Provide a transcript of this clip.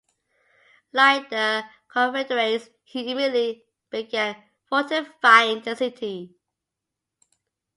Like the Confederates, he immediately began fortifying the city.